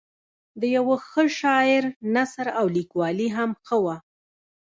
د یوه ښه شاعر نثر او لیکوالي هم ښه وه.